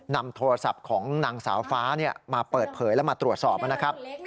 นำโทรศัพท์ของนางสาวฟ้ามาเปิดเผยและมาตรวจสอบนะครับ